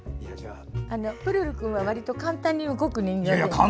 プルルくんは、わりと簡単に動く人形ですから。